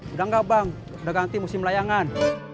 udah nggak bang udah ganti musim layangan